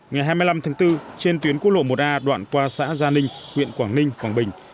ngày hai mươi năm tháng bốn trên tuyến quốc lộ một a đoạn qua xã gia ninh huyện quảng ninh quảng bình